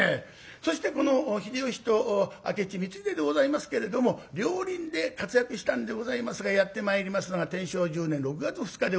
そしてこの秀吉と明智光秀でございますけれども両輪で活躍したんでございますがやって参りますのが天正１０年６月２日でございます。